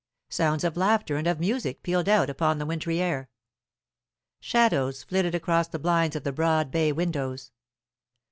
Sounds of laughter and of music pealed out upon the wintry air. Shadows flitted across the blinds of the broad bay windows.